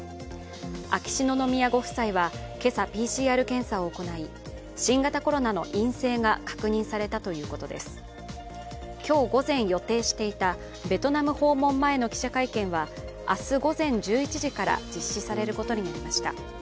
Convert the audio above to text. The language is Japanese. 秋篠宮ご夫妻は今朝、ＰＣＲ検査を行い、新型コロナの陰性が確認されたということです今日午前予定していたベトナム訪問前の記者会見は明日午前１１時から実施されることになりました。